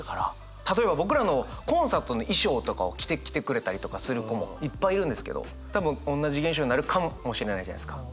例えば僕らのコンサートの衣装とかを着てきてくれたりとかする子もいっぱいいるんですけど多分おんなじ現象になるかもしれないじゃないですか。